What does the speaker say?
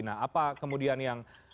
nah apa kemudian yang